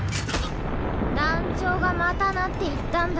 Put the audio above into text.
団長がまたなって言ったんだ。